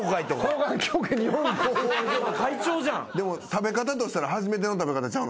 食べ方としたら初めての食べ方ちゃうの？